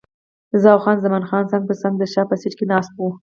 زه او خان زمان څنګ پر څنګ د شا په سیټ کې ناست وو.